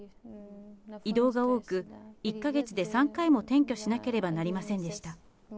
移動が多く、１か月で３回も転居しなければなりませんでした。